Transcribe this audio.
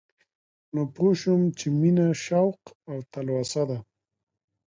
نو پوه شوم چې مينه شوق او تلوسه ده